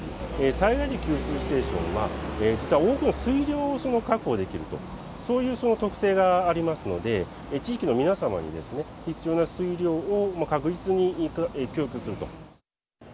災害時給水ステーションは、実は多くの水量を確保できると、そういう特性がありますので、地域の皆様に必要な水量を確実に供給すると。